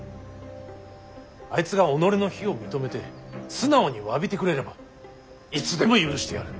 あいつが己の非を認めて素直にわびてくれればいつでも許してやる。